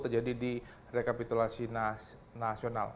terjadi di rekapitulasi nasional